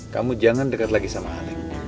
kamu jangan dekat lagi sama halim